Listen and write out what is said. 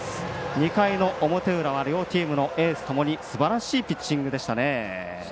２回の表裏は両チームのエースともにすばらしいピッチングでした。